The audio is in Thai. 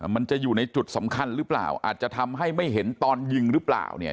มันจะอยู่ในจุดสำคัญหรือเปล่าอาจจะทำให้ไม่เห็นตอนยิงหรือเปล่าเนี่ย